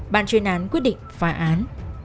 bạn truyền án quyết định phá án